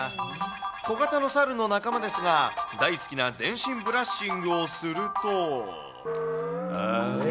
小型の猿の仲間ですが、大好きな全身ブラッシングをすると。